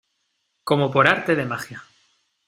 como por arte de magia.